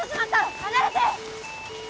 離れて！